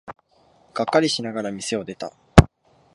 がっかりしながら店を出た。